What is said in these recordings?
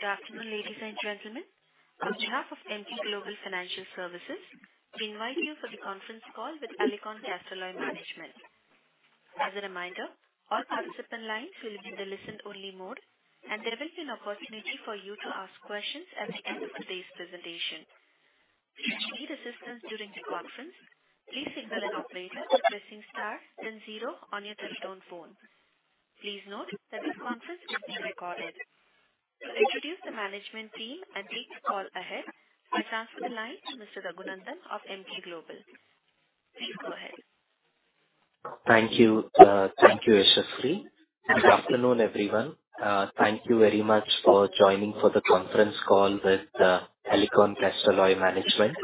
Good afternoon, ladies and gentlemen. On behalf of Emkay Global Financial Services, we invite you for the conference call with Alicon Castalloy Management. As a reminder, all participant lines will be in the listen-only mode, and there will be an opportunity for you to ask questions at the end of today's presentation. If you need assistance during the conference, please signal an operator by pressing star then zero on your telephone phone. Please note that this conference will be recorded. To introduce the management team and take the call ahead, I transfer the line to Mr. Raghunandan of Emkay Global. Please go ahead. Thank you. Thank you, Yashaswi. Good afternoon, everyone. Thank you very much for joining for the conference call with Alicon Castalloy Management.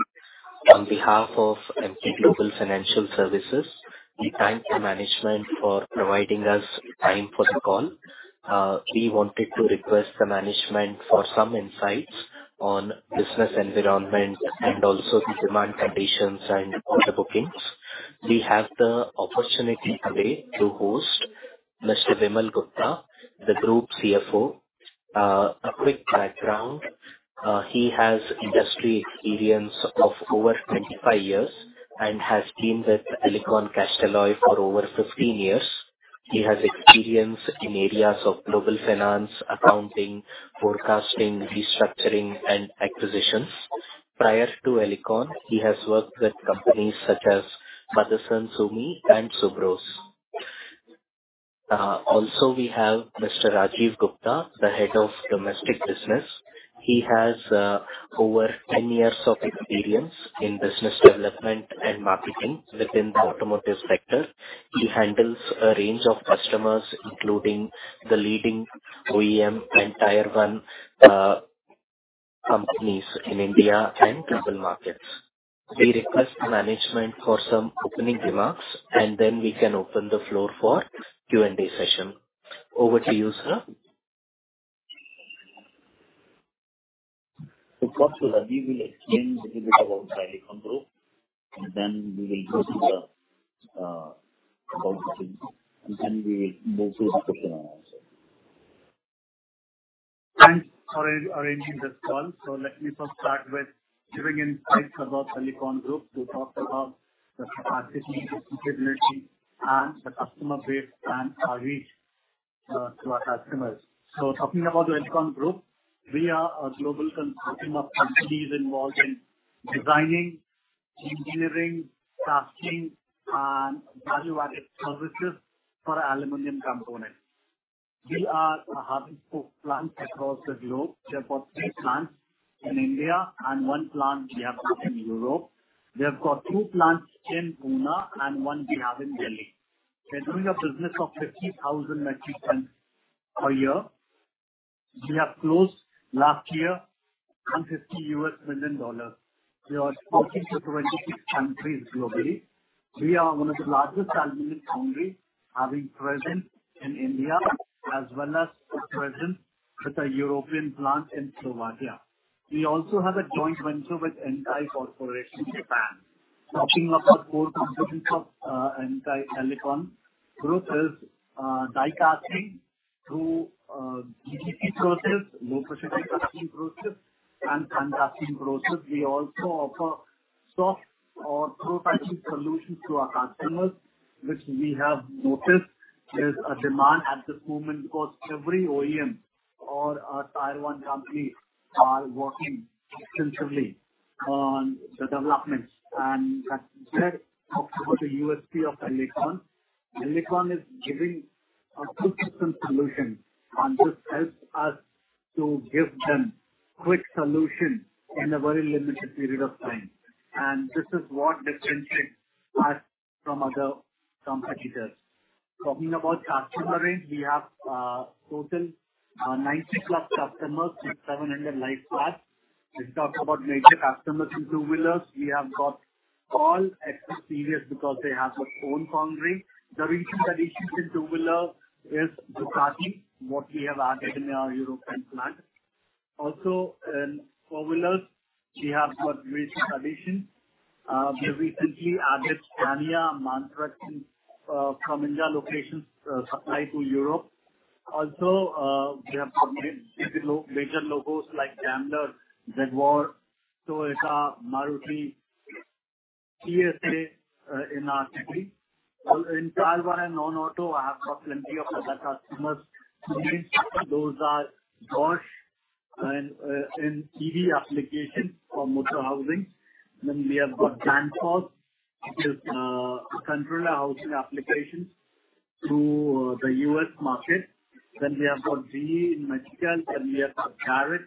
On behalf of Emkay Global Financial Services, we thank the management for providing us time for the call. We wanted to request the management for some insights on business environment and also the demand conditions and order bookings. We have the opportunity today to host Mr. Vimal Gupta, the Group CFO. A quick background. He has industry experience of over 25 years and has been with Alicon Castalloy for over 15 years. He has experience in areas of global finance, accounting, forecasting, restructuring and acquisitions. Prior to Alicon, he has worked with companies such as Motherson Sumi and Subros. Also we have Mr. Rajiv Gupta, the Head of Domestic Business. He has over 10 years of experience in business development and marketing within the automotive sector. He handles a range of customers, including the leading OEM and Tier 1 companies in India and global markets. We request the management for some opening remarks, and then we can open the floor for Q&A session. Over to you, sir. To start with, we will explain little bit about the Alicon Group, and then we will go through the, about the things, and then we will move to the question and answer. Thanks for arranging this call. Let me first start with giving insights about Alicon Group to talk about the capacity, capability and the customer base and our reach, to our customers. Talking about the Alicon Group, we are a global consortium of companies involved in designing, engineering, casting and value-added services for aluminum components. We are having four plants across the globe. We have got three plants in India and one plant we have got in Europe. We have got two plants in Pune and one we have in Delhi. We're doing a business of 50,000 metric ton per year. We have closed last year $150 million. We are exporting to 26 countries globally. We are one of the largest aluminum foundry having presence in India as well as a presence with a European plant in Slovakia. We also have a joint venture with Enkei Corporation, Japan. Talking about core competence of Enkei Alicon Group is die casting through HPDC process, low-pressure die casting process, and sand casting process. We also offer soft tooling or prototyping solutions to our customers, which we have noticed is a demand at this moment because every OEM or a Tier 1 company are working extensively on the developments. That said, talks about the USP of Alicon. Alicon is giving a full system solution, and this helps us to give them quick solution in a very limited period of time. This is what differentiates us from other competitors. Talking about customer base, we have total 90+ customers with 700 live parts. Let's talk about major customers in two-wheelers. We have got all experience because they have their own foundry. The recent addition in two-wheeler is Ducati, what we have added in our European plant. Also in four-wheelers, we have got recent addition. We recently added Scania, MAN Truck from India locations supply to Europe. Also, we have got major logos like Daimler, Jaguar, Toyota, Maruti, PSA in our pedigree. In Tier 1 and non-auto, I have got plenty of other customers. Those are Bosch in EV application for motor housing. Then we have got Danfoss, which is controller housing applications to the U.S. market. Then we have got GE in medical. Then we have got Garrett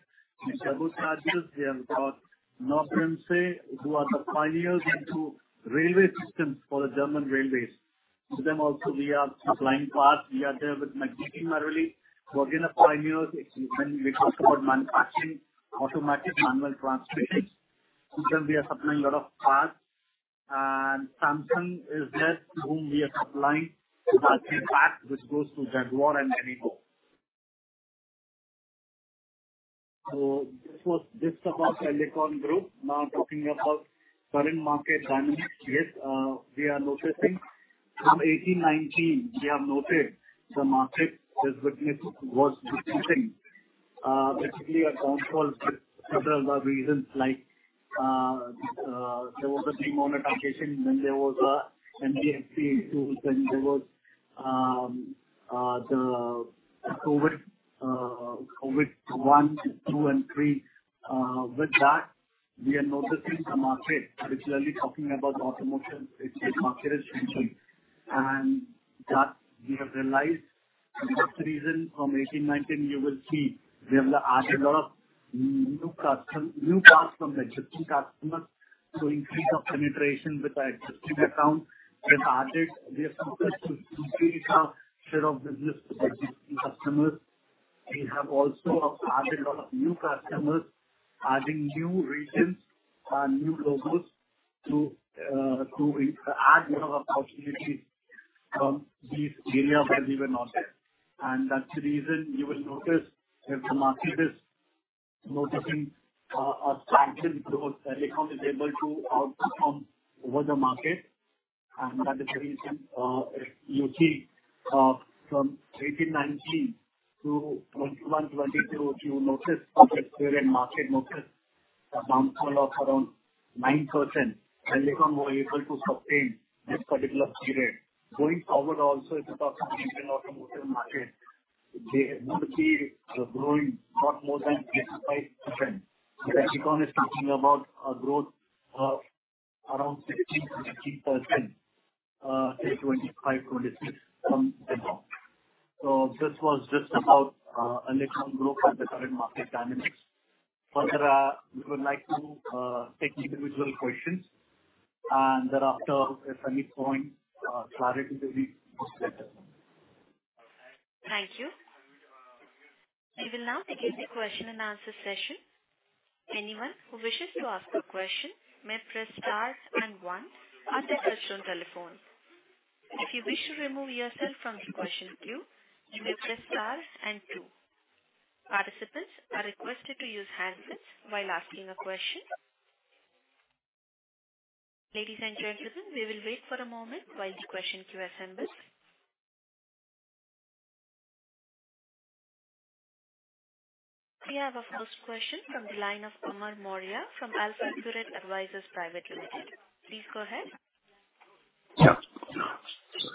in turbochargers. We have got Knorr-Bremse, who are the pioneers into railway systems for the German railways. To them also we are supplying parts. We are there with Magneti Marelli, who are again a pioneer. It's when we talk about manufacturing automatic manual transmissions. To them we are supplying lot of parts. Samsung is there to whom we are supplying casting parts which goes to Jaguar and many more. This was just about Alicon Group. Now talking about current market dynamics. Yes, we are noticing. From 2018-19, we have noted the market has witnessed worst decrease, particularly a downfall with several of the reasons like, there was a demonetization, then there was a NBFC turmoil, then there was the COVID one, two, and three. With that, we are noticing the market, particularly talking about automotive, its market is shrinking. That we have realized that's the reason from 18, 19 you will see we have added a lot of new customers, existing customers, so increase of penetration with the existing account. We have successfully increased our share of business with existing customers. We have also added a lot of new customers, adding new regions and new logos to add more opportunities from these areas where we were not there. That's the reason you will notice that the market is noticing a traction growth. Alicon is able to outperform over the market, and that is the reason you see from 18, 19 to 21, 22, you notice our existing market noticed a downfall of around 9%, and Alicon was able to sustain this particular period. Going forward also, if you talk about Indian automotive market, they would be growing not more than 35%. Alicon is talking about a growth of around 16%-17% in 2025-2026 from then on. This was just about Alicon growth and the current market dynamics. Further, we would like to take individual questions, and thereafter, if any point, clarity will be discussed then. Thank you. We will now begin the question and answer session. Anyone who wishes to ask a question may press star one on their push-button telephone. If you wish to remove yourself from the question queue, you may press star two. Participants are requested to use handsets while asking a question. Ladies and gentlemen, we will wait for a moment while the question queue assembles. We have our first question from the line of Amar Maurya from AlphaCredit Advisors Private Limited. Please go ahead. Yeah.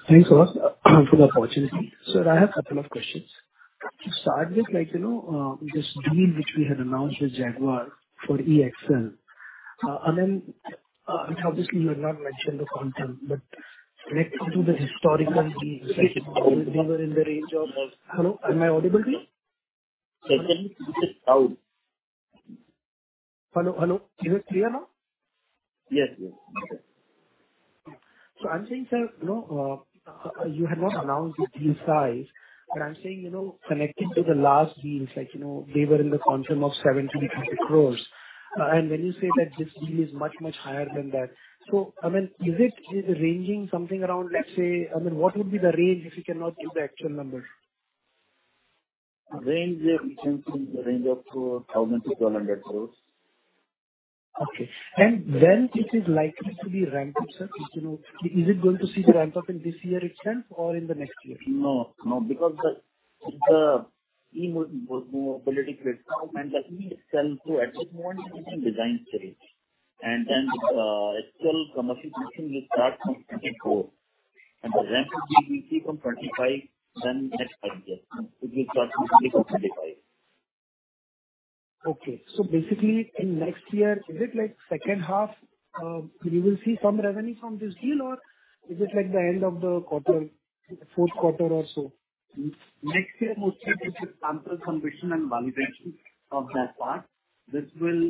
Thanks a lot for the opportunity. Sir, I have couple of questions. To start with, like, you know, this deal which we had announced with Jaguar for eAxle, I mean, obviously you have not mentioned the content, but connected to the historical deals, like they were in the range of. Hello, am I audible to you? Secondly, it is out. Hello, hello. Is it clear now? Yes, yes. Okay. I'm saying, sir, you know, you had not announced the deal size, but I'm saying, you know, connected to the last deals, like, you know, they were in the range of 70 crore-80 crore. When you say that this deal is much, much higher than that. I mean, is it ranging somewhere around, let's say, I mean, what would be the range if you cannot give the actual numbers? Range, yeah. It comes in the range of 1,000 crore-1,200 crore. Okay. When it is likely to be ramped up, sir? You know, is it going to see the ramp-up in this year itself or in the next year? No, no, because the e-mobility platform and the EV itself, so at this point it's in design stage. Its commercialization will start from 2024. The ramp up we will see from 2025, then next five years. It will start from 2024, 2025. Okay. Basically in next year, is it like second half, we will see some revenue from this deal or is it like the end of the quarter, fourth quarter or so? Next year mostly it is sample submission and validation of that part. This will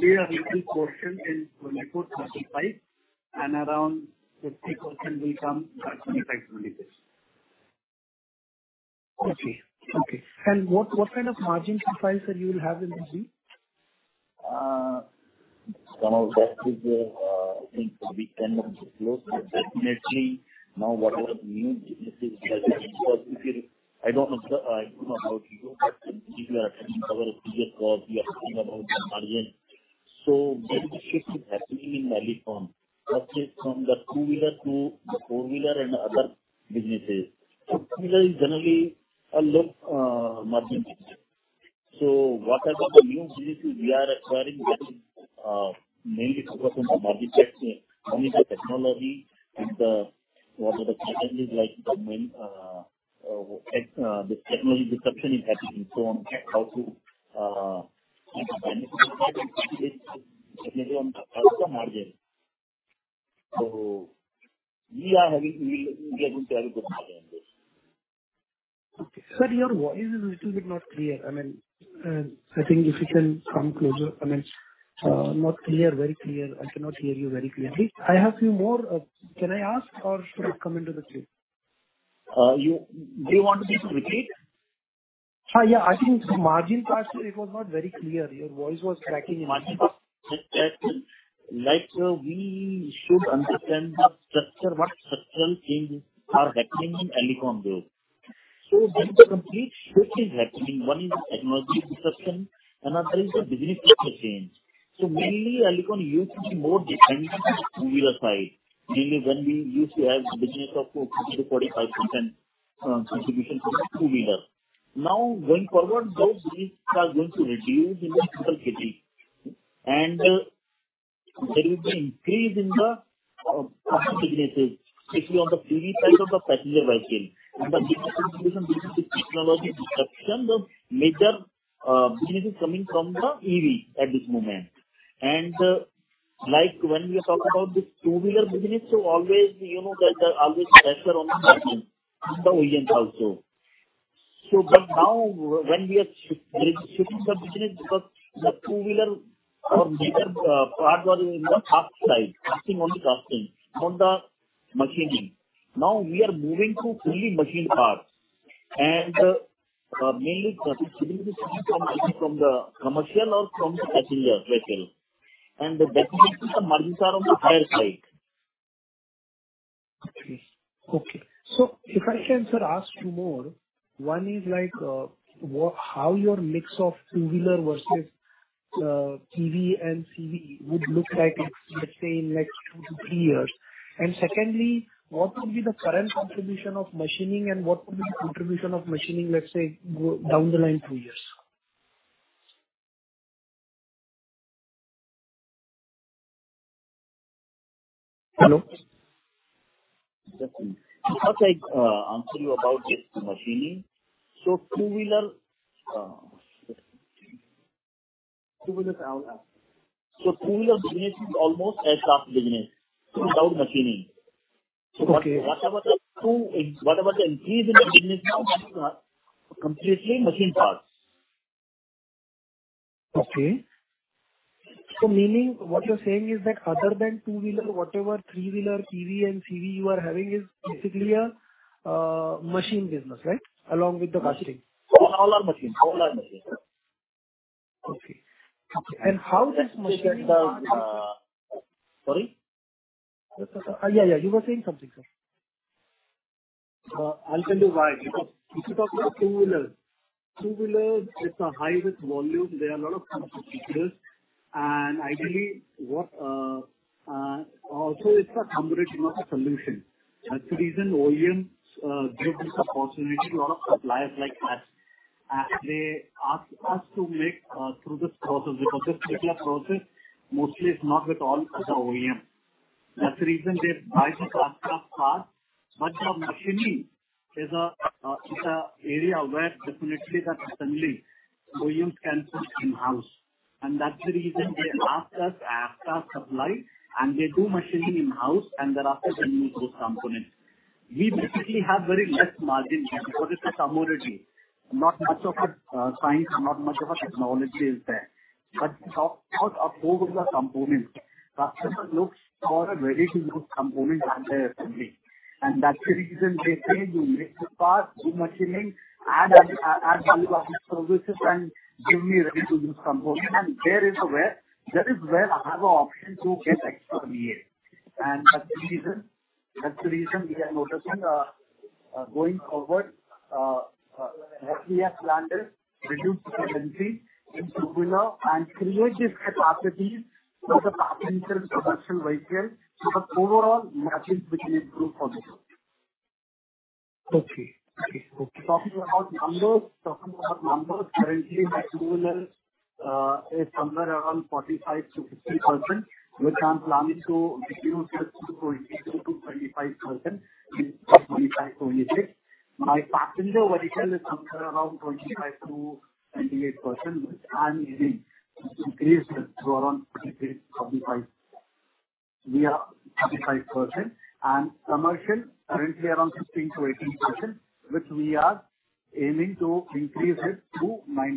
be a little portion in 2024-2025, and around 50% will come by 2025-2026. Okay. What kind of margin profile, sir, you will have in this deal? Some of that is, I think, will be kind of disclosed. Definitely now whatever the new businesses we have acquired, because if you I don't know how to go, but if you are attending our previous call, we are talking about the margin. Big shift is happening in Alicon. Business from the two-wheeler to the four-wheeler and other businesses. Two-wheeler is generally a low margin business. Whatever the new businesses we are acquiring, that is mainly focused on margin expansion, mainly the technology and what are the challenges like the main tech, the technology disruption is happening. On how to benefit definitely on better margin. We are able to have a good margin on this. Okay. Sir, your voice is a little bit not clear. I mean, I think if you can come closer. I mean, not clear, very clear. I cannot hear you very clearly. I have few more, can I ask or should I come into the queue? Do you want me to repeat? Yeah. I think margin part, sir, it was not very clear. Your voice was cracking a bit. Margin part. Like, sir, we should understand the structure, what structural changes are happening in Alicon Group. There is a complete shift is happening. One is technology disruption, another is the business model change. Mainly, Alicon used to be more defined into the two-wheeler side. Mainly when we used to have business of 40%-45% contribution from the two-wheeler. Now, going forward, those businesses are going to reduce in the future period. There will be increase in the customer businesses, especially on the PV side of the passenger vehicle. The business contribution due to this technology disruption, the major business is coming from the EV at this moment. Like when we talk about this two-wheeler business, so always, you know, there's always pressure on the margin from the OEMs also. Now when we are shifting the business because the two-wheeler or major product was in the cast side, casting only casting on the machining. Now we are moving to fully machined parts and mainly contributing this from the commercial or from the passenger vehicle. Definitely, the margins are on the higher side. If I can, sir, ask you more, one is like how your mix of two-wheeler versus PV and CV would look like, let's say in next 2-3 years. Secondly, what would be the current contribution of machining and what would be the contribution of machining, let's say, go down the line 2 years? Hello. Definitely. First I answer you about this machining. Two-wheeler. Two-wheeler without that. Two-wheeler business is almost a casting business without machining. Okay. Whatever the increase in the business now, completely machined parts. Okay. Meaning what you're saying is that other than two-wheeler, whatever three-wheeler, PV and CV you are having is basically a machining business, right? Along with the casting. All are machine, sir. Okay. How does machine- Sorry. Yeah, yeah. You were saying something, sir. I'll tell you why. Because if you talk about two-wheeler, it's a high risk volume. There are a lot of competitors, and ideally also it's a combination of the solution. That's the reason OEMs give this opportunity to a lot of suppliers like us. They ask us to make through this process, because this particular process mostly is not with all other OEM. That's the reason they buy the cast parts. The machining is an area where definitely the assembly OEMs can put in-house. That's the reason they ask us as cast suppliers, and they do machining in-house, and thereafter they use those components. We basically have very less margin because it's a commodity. Not much of a science, not much of a technology is there. Because of both of the components, customer looks for a ready-to-use component than the assembly. That's the reason they say to make the part, do machining, add value-added services, and give me a ready-to-use component. There is where I have an option to get extra VA. That's the reason we are noticing going forward what we have planned is reduce the dependency in two-wheeler and create this capacities for the passenger production vehicle. The overall margins which need to improve for this. Okay. Talking about numbers, currently my two-wheeler is somewhere around 45%-50%, which I'm planning to reduce this to 20%-25% in 2025, 2026. My passenger vehicle is somewhere around 25%-28%, which I'm aiming to increase this to around 33-35%. We are 35%. Commercial, currently around 15%-18%, which we are aiming to increase it to 19%-22%.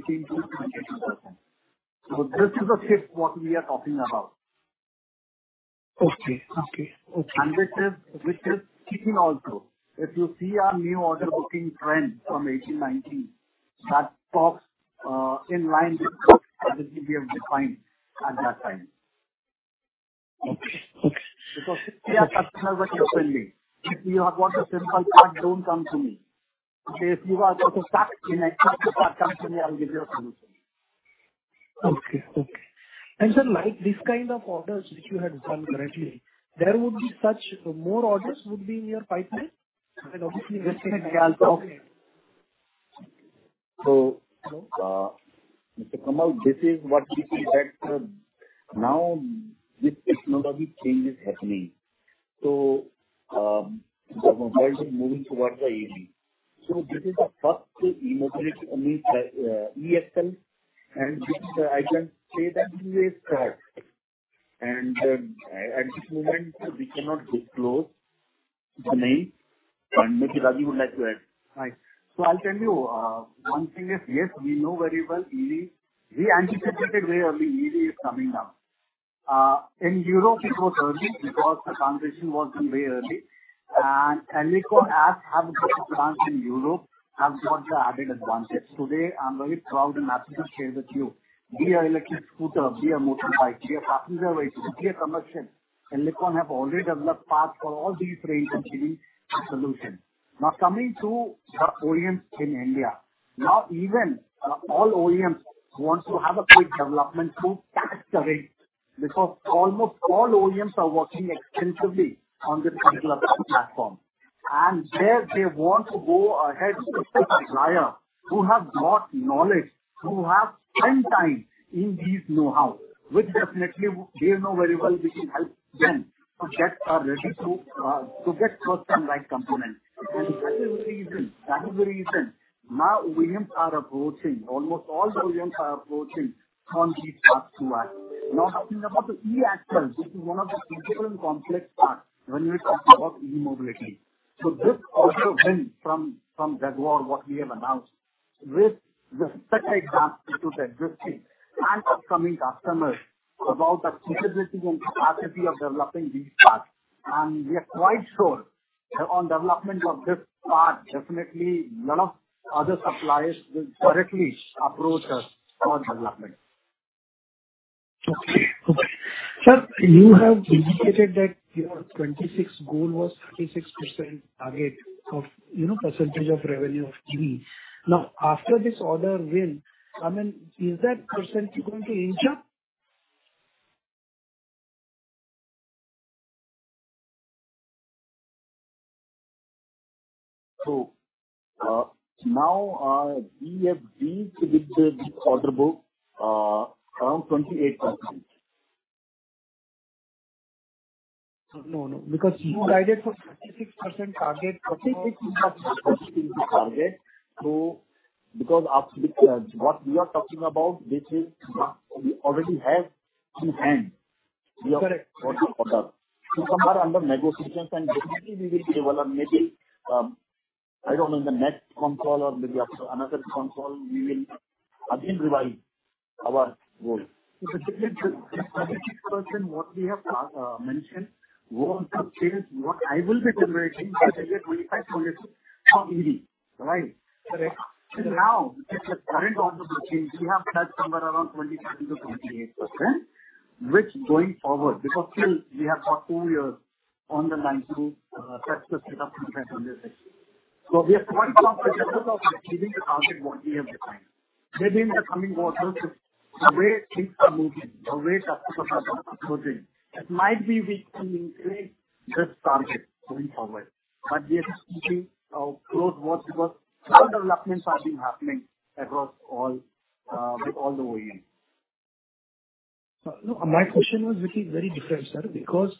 This is the shift what we are talking about. Okay. This is kicking also. If you see our new order booking trend from 18, 19, that pops in line with the strategy we have defined at that time. Okay. Okay. Because our customers are clearly telling, "If you have got a simple part, don't come to me. If you have got a complex part, come to me, I'll give you a solution. Okay. Sir, like these kind of orders which you had won recently, there would be such more orders would be in your pipeline? Mr. Kamal, this is what we see that, now this technology change is happening. The world is moving towards the EV. This is the first mobility, I mean, e-mobility, and this I can say that we were first. At this moment, we cannot disclose the name, but maybe Raju would like to add. Right. I'll tell you, one thing is, yes, we know very well EV. We anticipated way early EV is coming now. In Europe it was early because the transition was in way early. Alicon, as have got a plant in Europe, have got the added advantage. Today, I'm very proud and happy to share with you our electric scooter, our motorbike, our passenger vehicle, our commercial. Alicon have already developed parts for all these range of EV solution. Now coming to the OEMs in India. Now even, all OEMs want to have a quick development to catch the race, because almost all OEMs are working extensively on this particular platform. There they want to go ahead with the supplier who have got knowledge, who have spent time in this know-how, which definitely they know very well, which will help them to get first-time right component. That is the reason now OEMs are approaching. Almost all OEMs are approaching on these parts to us. Now, talking about the e-axle, this is one of the critical and complex parts when we talk about e-mobility. This also wins from Jaguar what we have announced sets an example to the existing and upcoming customers about the capability and capacity of developing these parts. We are quite sure on development of this part. Definitely a lot of other suppliers will directly approach us on development. Okay. Sir, you have indicated that your 2026 goal was 36% target of, you know, percentage of revenue of EV. Now, after this order win, I mean, is that percentage going to increase? now, we have reached with this order book, around 28%. No, because you guided for 36% target for- 36% is the target. Because what we are talking about, this is what we already have in hand. Correct. We have got the order. Some are under negotiations, and definitely we will develop maybe, I don't know, in the next con call or maybe after another con call, we will again revise our goal. Specifically to the 36% what we have mentioned won't change what I will be generating, let's say, INR 25 billion for EV, right? Correct. Till now, with the current order book change, we have touched somewhere around 27%-28%, which going forward, because still we have got two years on the line to set the setup to get on this. We are quite confident of achieving the target what we have defined. Maybe in the coming quarters, the way things are moving, the way customers are approaching, it might be we can increase this target going forward. We are keeping our close watch because our developments are being happening across all with all the OEMs. No, my question was actually very different, sir, because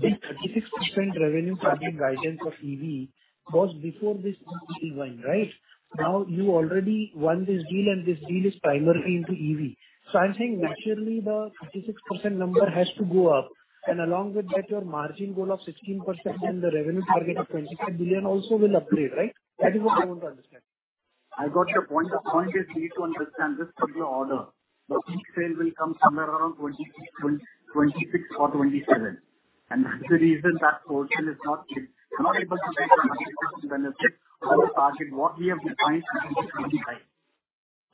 the 36% revenue target guidance for EV was before this deal signed, right? Now you already won this deal, and this deal is primarily into EV. So I'm saying naturally the 36% number has to go up, and along with that, your margin goal of 16% and the revenue target of 25 billion also will upgrade, right? That is what I want to understand. I got your point. The point is we need to understand this particular order. The peak sale will come somewhere around 2026 or 2027. That's the reason that portion is not able to take the benefit of the target what we have defined for 25.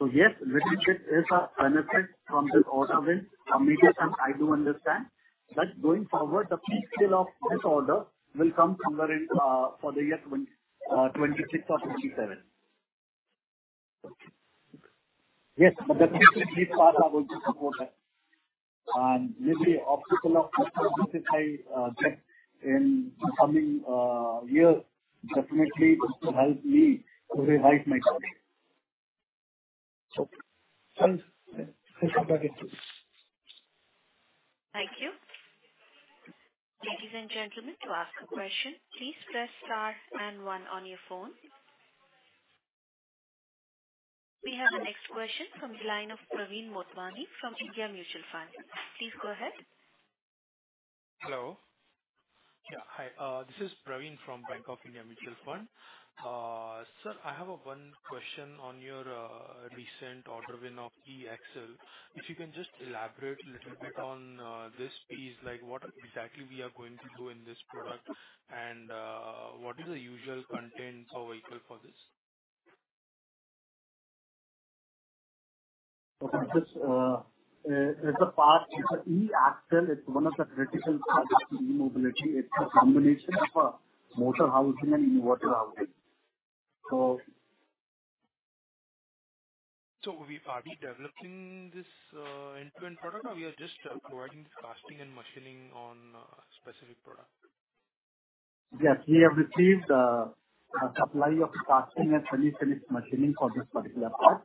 Yes, little bit is a benefit from this order win, immediately, I do understand. Going forward, the peak sale of this order will come somewhere in for the year 2026 or 2027. Okay. Yes, but the future parts are going to support that. Maybe outcome of this, which I get in the coming year, definitely it will help me to revise my target. Okay. Thanks. I come back into this. Thank you. Ladies and gentlemen, to ask a question, please press Star and One on your phone. We have the next question from the line of Praveen Motwani from India Mutual Fund. Please go ahead. Hello. Hi, this is Praveen from Bank of India Mutual Fund. Sir, I have one question on your recent order win of e-axle. If you can just elaborate a little bit on this piece, like what exactly we are going to do in this product, and what is the usual content in vehicle for this? Okay. This, it's a part. It's a e-axle. It's one of the critical parts in e-mobility. It's a combination of a motor housing and inverter housing. So. We are redeveloping this end-to-end product or we are just providing this casting and machining on a specific product? Yes. We have received a supply of casting and finish machining for this particular part.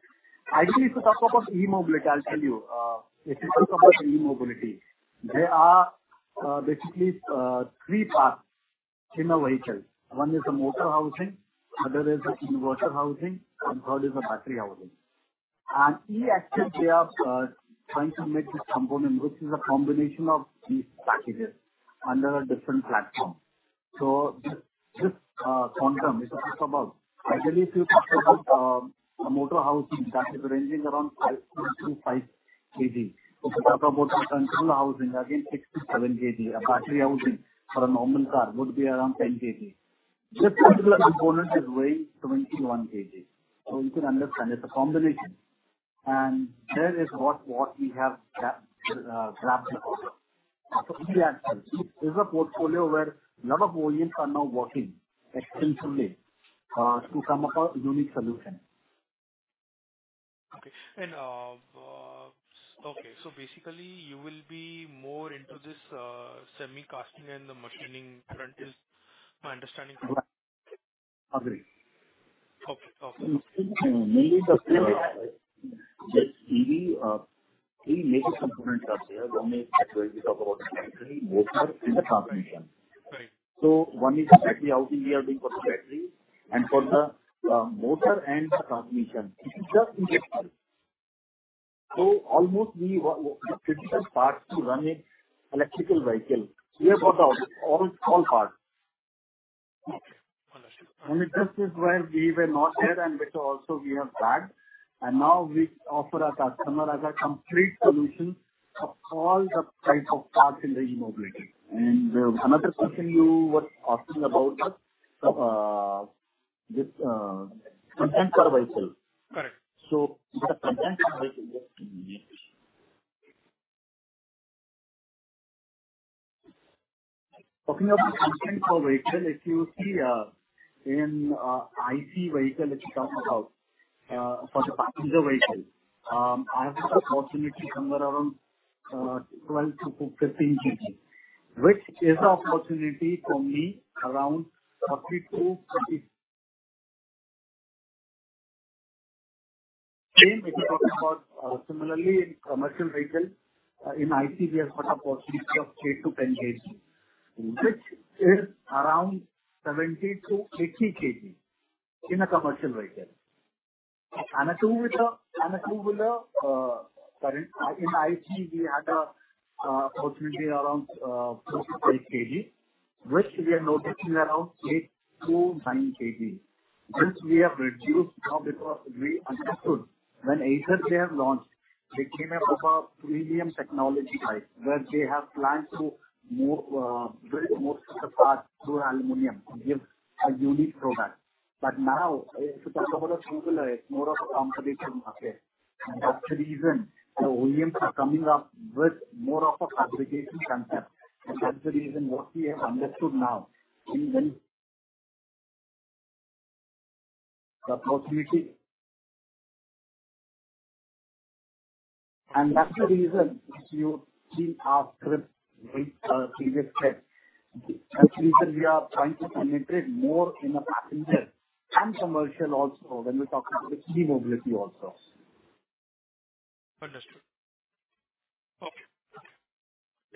Ideally, if you talk about e-mobility, I'll tell you. If you talk about e-mobility, there are basically three parts in a vehicle. One is a motor housing, other is an inverter housing, and third is a battery housing. E-axle, they are trying to make this component, which is a combination of these packages under a different platform. This combined term, if you talk about a motor housing, that is ranging around 5-5 kg. If I talk about a controller housing, again 6-7 kg. A battery housing for a normal car would be around 10 kg. This particular component is weighing 21 kg. You can understand it's a combination. There is what we have grabbed the order. e-axle, this is a portfolio where lot of OEMs are now working extensively, to come up a unique solution. Basically you will be more into this semi casting and the machining front. Is my understanding correct? Agreed. Okay. Awesome. Mainly, yes. Three major components are there. One is when we talk about the battery, motor and the transmission. Right. One is the battery housing we are doing for the battery, and for the motor and the transmission, this is the integral. Almost the critical parts to run an electric vehicle, we have got all small parts. Okay. Understood. Only this is where we were not there and which also we have tagged. Now we offer our customer as a complete solution for all the type of parts in the e-mobility. Another question you were asking about, this, content for vehicle. Correct. The content for vehicle, just a minute. Talking of the content for vehicle, if you see in IC vehicle which you're talking about, for the passenger vehicle, I have the opportunity somewhere around 12-15 kg, which is the opportunity for me around 32. Same if you're talking about, similarly in commercial vehicle, in IC we have got a possibility of 8-10 kg, which is around 70-80 kg in a commercial vehicle. A two-wheeler. In IC we had a opportunity around 55 kg, which we are noticing around 8-9 kg. This we have reduced now because we understood when Ather they have launched, they came up of a premium technology type, where they have planned to move, build most of the parts through aluminum to give a unique product. Now if you talk about a two-wheeler, it's more of a competition market. That's the reason the OEMs are coming up with more of a aggregation concept. That's the reason what we have understood now in the opportunity. That's the reason if you see our script, right, previous slide. That's the reason we are trying to penetrate more in the passenger and commercial also when we're talking about the key mobility also. Understood. Okay.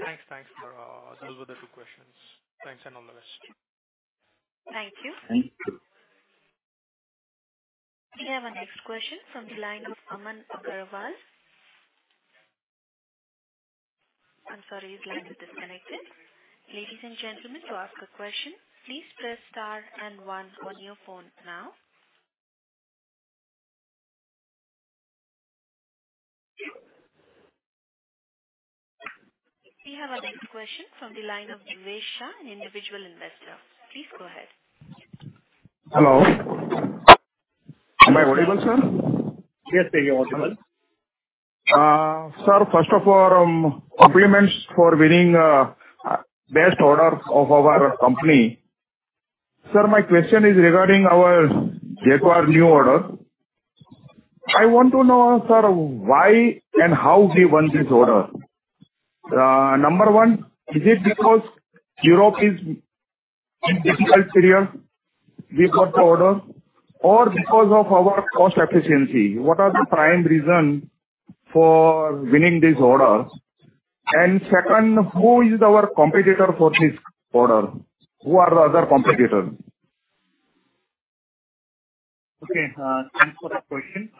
Thanks. Thanks for those were the two questions. Thanks and all the best. Thank you. Thank you. We have our next question from the line of Aman Agarwal. I'm sorry, his line is disconnected. Ladies and gentlemen, to ask a question, please press star and one on your phone now. We have our next question from the line of Devesh, an individual investor. Please go ahead. Hello. Am I audible, sir? Yes, sir, you're audible. Sir, first of all, compliments for winning best order of our company. Sir, my question is regarding our Jaguar new order. I want to know, sir, why and how we won this order. Number one, is it because Europe is in difficult period, we got the order or because of our cost efficiency? What are the prime reason for winning this order? Second, who is our competitor for this order? Who are the other competitors? Okay, thanks for that question.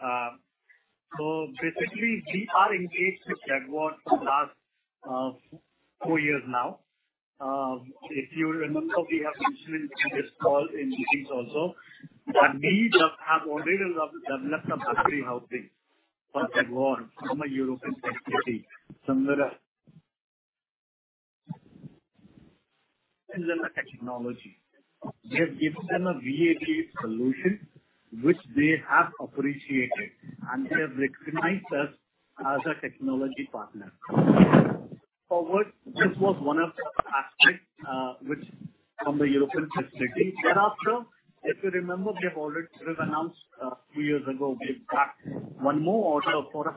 Basically we are engaged with Jaguar for the last four years now. If you remember, we have mentioned in this call in previous also, that we have already developed a battery housing for Jaguar from a European facility, somewhat technology. We have given them a VAVE solution which they have appreciated, and they have recognized us as a technology partner. For which this was one of the aspect, which from the European facility. Thereafter, if you remember, we have already announced, two years ago, we've got one more order.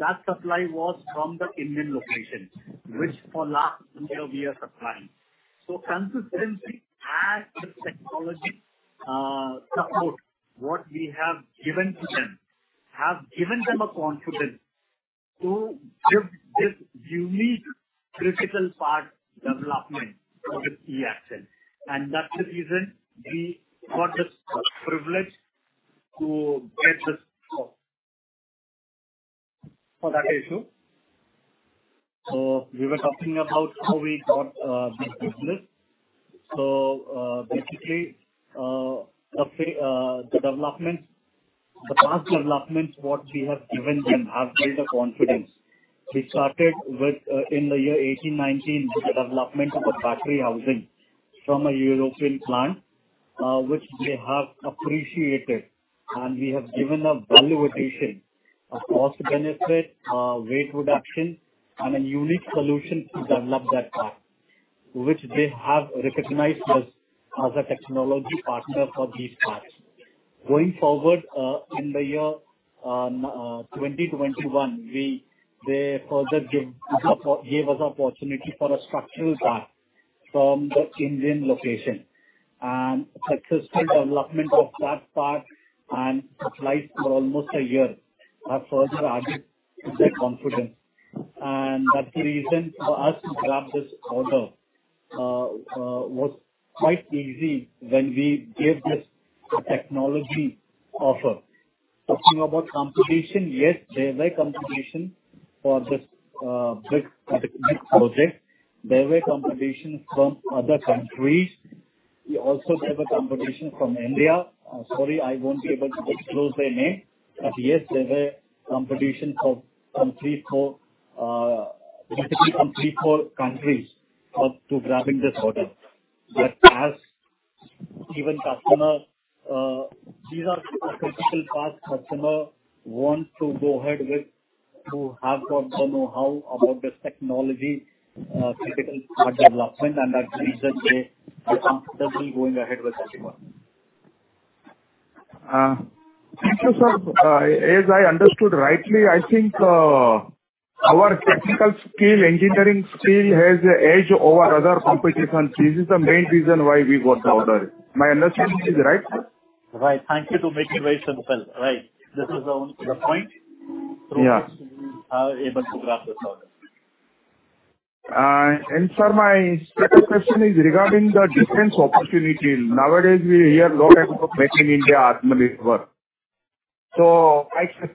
That supply was from the Indian location, which for last year we are supplying. Consistency as the technology, support what we have given to them, have given them a confidence to give this unique critical part development for the eAxle. That's the reason we got the special privilege to get this call for that issue. We were talking about how we got this business. Basically, the development, the past developments, what we have given them have built the confidence. We started with in the year 2018, 2019, the development of the battery housing. From a European plant, which they have appreciated. We have given a value addition of cost benefit, weight reduction, and a unique solution to develop that part, which they have recognized us as a technology partner for these parts. Going forward, in the year 2021, they further gave us opportunity for a structural part from the Indian location. Successful development of that part and supplies for almost a year have further added their confidence. That's the reason for us to grab this order was quite easy when we gave this technology offer. Talking about competition, yes, there were competition for this particular project. There were competitions from other countries. We also have a competition from India. Sorry, I won't be able to disclose their name. Yes, there were competition from three, four basically countries to grabbing this order. As even customer, these are critical parts customer want to go ahead with, who have got the knowhow about this technology, critical part development. That's the reason they are comfortably going ahead with Alicon. Thank you, sir. As I understood rightly, I think, our technical skill, engineering skill has an edge over other competition. This is the main reason why we got the order. My understanding is right, sir? Right. Thank you to make it very simple. Right. This is the point. Yeah. through which we are able to grab this order. sir, my second question is regarding the defense opportunity. Nowadays, we hear a lot about Make in India, Atmanirbhar. I just-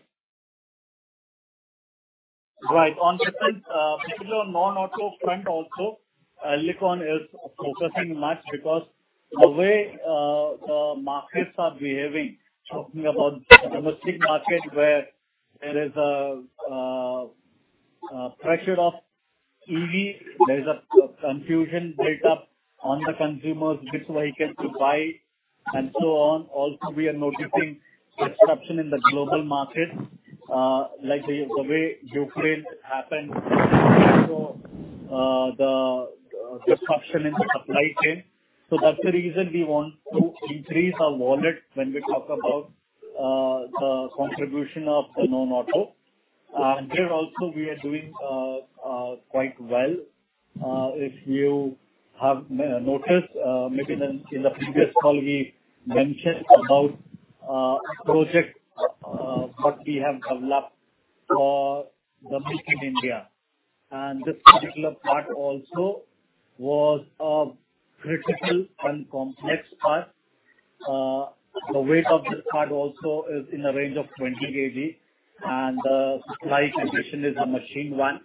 Right. On defense, particular non-auto front also, Alicon is focusing much because the way the markets are behaving, talking about domestic market, where there is a pressure of EV. There's a confusion built up on the consumers which vehicle to buy and so on. We are noticing disruption in the global market, like the way Ukraine happened. The disruption in the supply chain. That's the reason we want to increase our wallet when we talk about the contribution of the non-auto. There also we are doing quite well. If you have noticed, maybe in the previous call we mentioned about a project what we have developed for the military in India. This particular part also was a critical and complex part. The weight of this part also is in the range of 20 kg, and the supply condition is a machined one.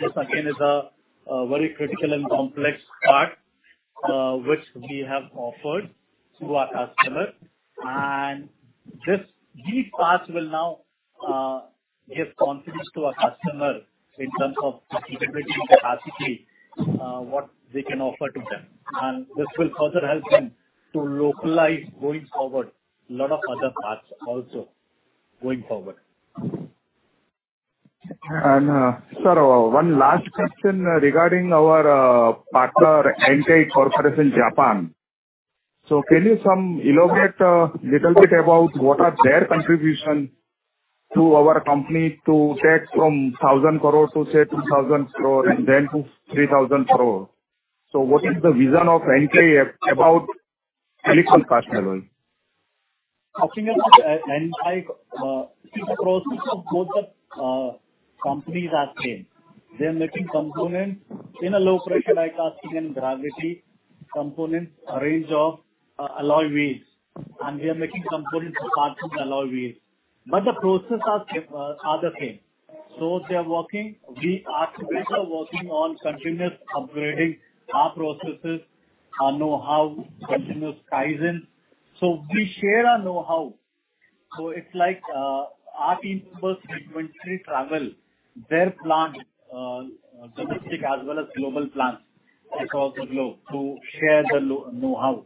This again is a very critical and complex part, which we have offered to our customer. These parts will now give confidence to our customer in terms of sustainability of the RCG, what they can offer to them. This will further help them to localize going forward a lot of other parts also going forward. Sir, one last question regarding our partner, Enkei Corporation, Japan. Can you some elaborate little bit about what are their contribution to our company to take from 1,000 crore to say 2,000 crore and then to 3,000 crore? What is the vision of Enkei about Alicon's level? Talking about Enkei, see the process of both the companies are same. They're making components in a low-pressure die casting and gravity components, a range of alloy wheels. We are making components and parts of the alloy wheels. The process are the same. They're working. We are together working on continuous upgrading our processes, our know-how, continuous kaizen. We share our know-how. It's like our team members frequently travel their plant, domestic as well as global plants across the globe to share the know-how.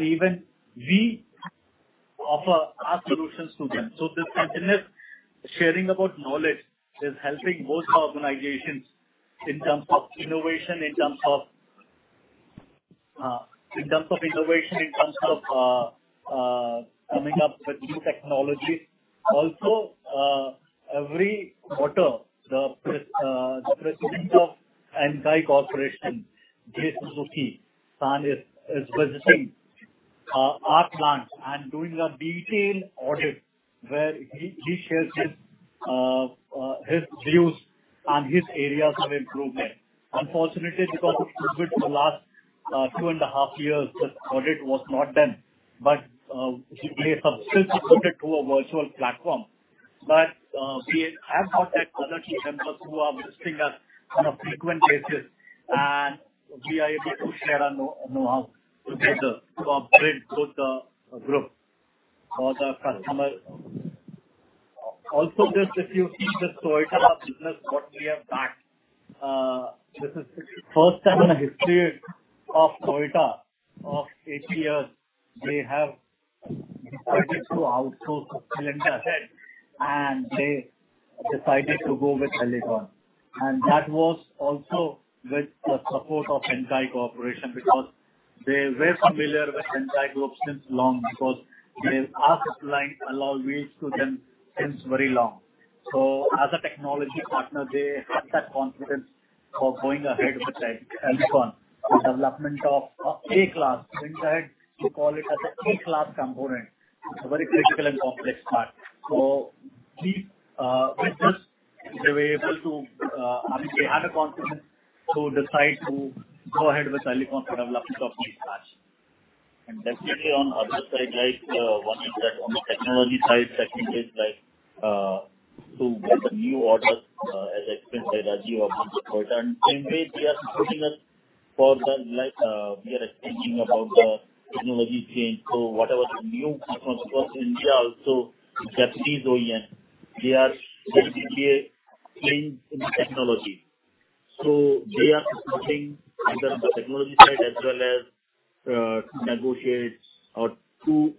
Even we offer our solutions to them. This continuous sharing about knowledge is helping both the organizations in terms of innovation, in terms of coming up with new technology. Every quarter, the president of Enkei Corporation, Junichi Suzuki, is visiting our plant and doing a detailed audit where he shares his views and his areas of improvement. Unfortunately, because of COVID for the last two and a half years, this audit was not done. We have still shifted to a virtual platform. We have got that other team members who are visiting us on a frequent basis, and we are able to share our knowhow together to upgrade both the group for the customer. Just if you see the Toyota business, what we have got, this is the first time in the history of Toyota of 80 years, they have decided to outsource cylinder head and they decided to go with Alicon. That was also with the support of Enkei Corporation because they were familiar with Enkei Group since long because they've sourced alloy wheels from them since very long. As a technology partner, they have that confidence of going ahead with that Alicon. The development of A-class, Enkei, we call it as A-class component. It's a very critical and complex part. With this, they were able to. I mean, they had a confidence to decide to go ahead with Alicon for development of this part. Definitely on other side, like, one is that on the technology side, second is like, to get the new orders, as explained by Rajiv about the Toyota. Same way they are supporting us for the like, we are thinking about the technology change. Whatever the new customers across India also, Japanese OEM, they are basically a change in technology. They are supporting either the technology side as well as, to negotiate or to,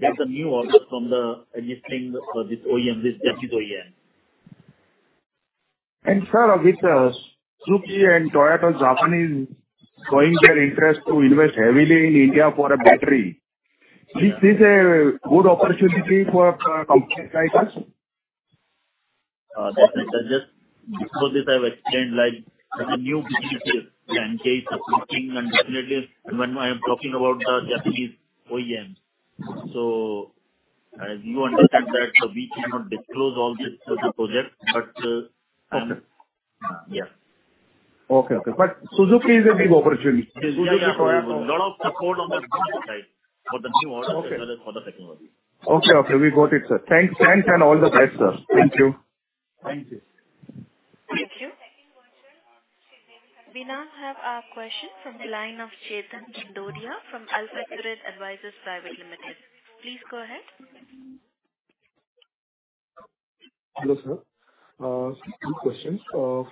get the new orders from the existing, this OEM, this Japanese OEM. Sir, with Suzuki and Toyota, Japanese showing their interest to invest heavily in India for a battery, is this a good opportunity for a company like us? Definitely, sir. Just before this I've explained like the new business plan case of working and definitely when I'm talking about the Japanese OEM. You understand that, so we cannot disclose all this project, but, Okay. Yeah. Okay. Suzuki is a big opportunity. Suzuki and Toyota, lot of support on the business side for the new orders as well as for the technology. Okay. We got it, sir. Thanks and all the best, sir. Thank you. Thank you. Thank you. We now have a question from the line of Chetan Dodia from AlphaCredit Advisors Private Limited. Please go ahead. Hello, sir. Few questions.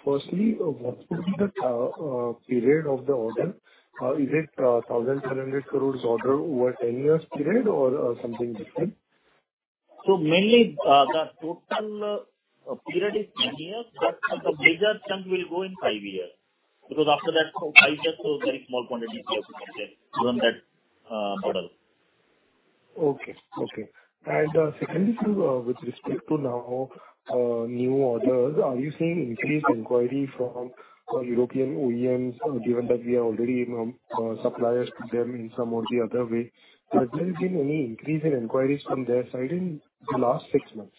Firstly, what would be the period of the order? Is it 1,700 crore order over 10 years period or something different? Mainly, the total period is 10 years, but the major chunk will go in 5 years. Because after that 5 years, so very small quantities we have to get from that order. Okay. Secondly, sir, with respect to now, new orders, are you seeing increased inquiry from European OEMs, given that we are already suppliers to them in some or the other way? Has there been any increase in inquiries from their side in the last six months?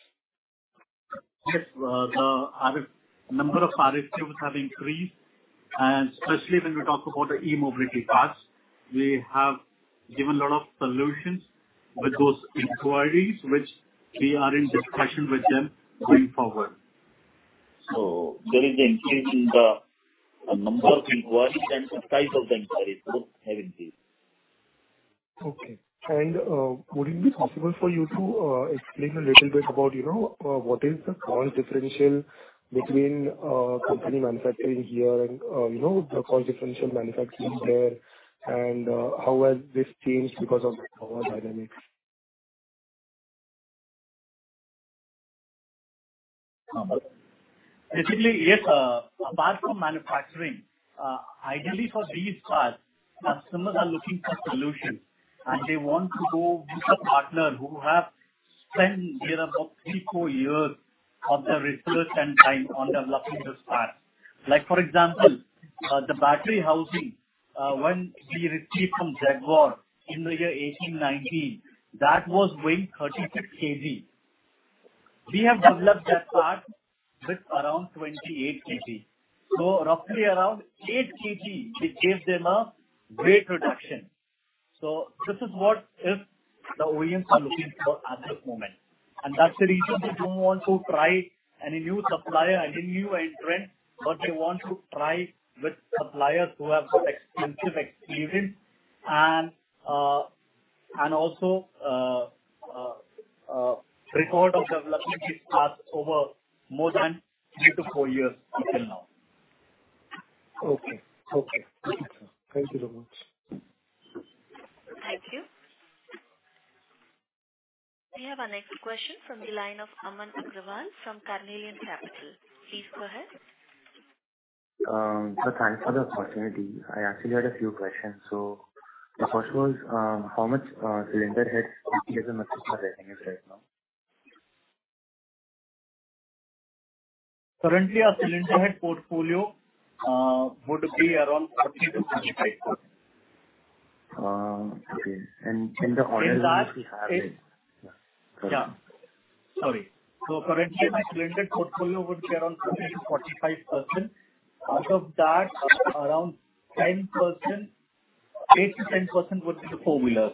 Yes. The number of RFQs have increased, and especially when we talk about the e-mobility parts, we have given lot of solutions with those inquiries, which we are in discussion with them going forward. There is an increase in the number of inquiries and the type of inquiries both have increased. Okay. Would it be possible for you to explain a little bit about, you know, what is the cost differential between company manufacturing here and, you know, the cost differential manufacturing there and how has this changed because of power dynamics? Basically, yes, apart from manufacturing, ideally for these cars, customers are looking for solutions, and they want to go with a partner who have spent near about 3, 4 years of their research and time on developing this part. Like, for example, the battery housing, when we received from Jaguar in the year 2018-2019, that was weighing 36 kg. We have developed that part with around 28 kg. So roughly around 8 kg, we gave them a weight reduction. So this is what if the OEMs are looking for at this moment. That's the reason they don't want to try any new supplier, any new entrant, but they want to try with suppliers who have that extensive experience and also record of development this part over more than 3-4 years until now. Okay. Okay. Thank you so much. Thank you. We have our next question from the line of Aman Agarwal from Carnelian Capital. Please go ahead. Thanks for the opportunity. I actually had a few questions. The first was, how much cylinder head Currently our cylinder head portfolio would be around 30%-35%. Okay. In the orders that you have. In that. Yeah. Sorry. Yeah. Sorry. Currently my cylinder portfolio would be around 30%-45%. Out of that, around 10%, 8%-10% would be the four-wheeler.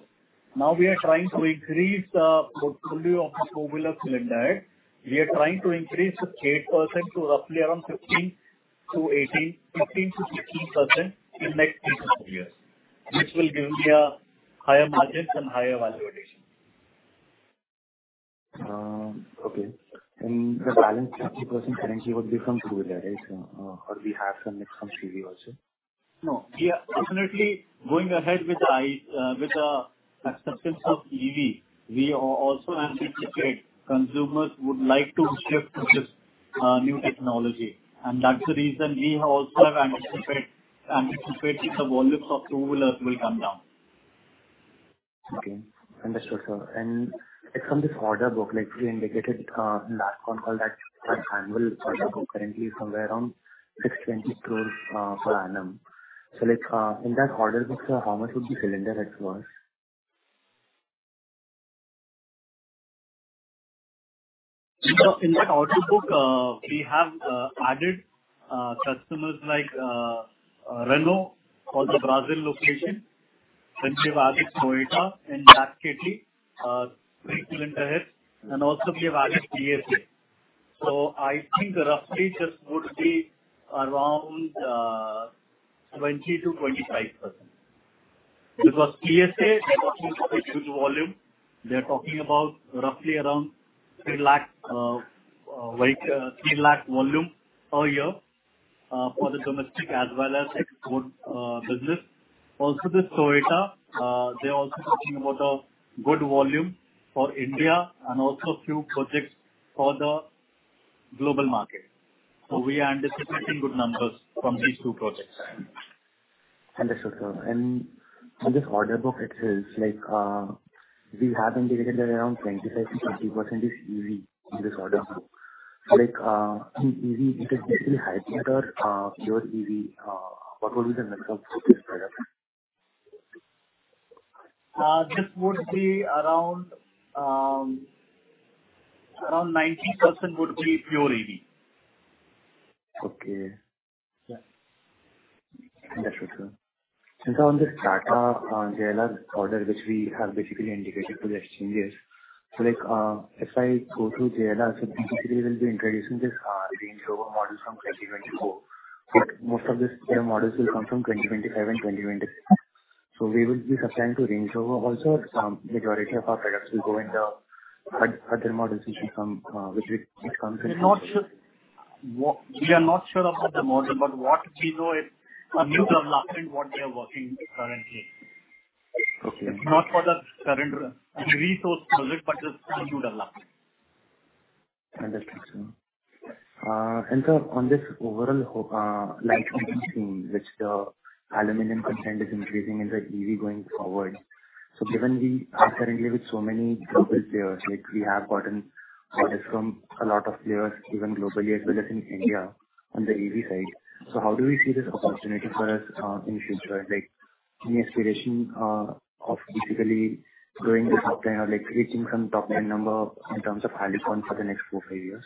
Now we are trying to increase the portfolio of the four-wheeler cylinder head. We are trying to increase the 8% to roughly around 15-18, 15-16% in next 3-4 years, which will give me a higher margins and higher valuation. The balance 50% currently would be from two-wheeler, right? Or we have some mix from TV also. No. Yeah, definitely going ahead with the acceptance of EV, we also anticipate consumers would like to shift to this new technology. That's the reason we also anticipate the volumes of two-wheelers will come down. Okay. Understood, sir. Like from this order book, like we indicated, in last call that our annual order book currently is somewhere around 620 crore per annum. Like, in that order book, sir, how much would be cylinder head flows? In that order book, we have added customers like Renault for the Brazil location. We have added Toyota in that category, three cylinder heads, and also we have added PSA. I think roughly this would be around 20%-25%. Because PSA is talking for a huge volume. They're talking about roughly around 3 lakh volume per year for the domestic as well as export business. Also, Toyota, they're also talking about a good volume for India and also few projects for the global market. We are anticipating good numbers from these two projects. Understood, sir. In this order book itself, like, we have indicated that around 25%-30% is EV in this order book. Like, in EV, if it's basically hybrid or, pure EV, what would be the mix of these products? This would be around 90% would be pure EV. Okay. Yeah. Understood, sir. Sir, on this Tata JLR order, which we have basically indicated to the exchanges, so like, if I go through JLR, so basically we'll be introducing this Range Rover model from 2024. Most of these Jaguar models will come from 2025 and 2026. We will be supplying to Range Rover also. Majority of our products will go in the Jaguar models, which comes in- We are not sure of the model, but what we know is a new development what we are working currently. Okay. It's not for the current research project, but this is new development. Understood, sir. Sir, on this overall lightweighting theme, which the aluminum content is increasing in the EV going forward, given we are currently with so many global players, like we have gotten orders from a lot of players, even globally as well as in India on the EV side. How do we see this opportunity for us in future? Like any aspiration of basically growing the top 10 or like reaching some top 10 number in terms of Alicon for the next 4-5 years?